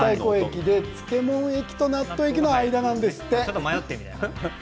漬物駅と納豆駅の間なんですって。